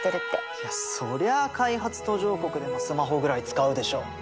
いやそりゃあ開発途上国でもスマホぐらい使うでしょ。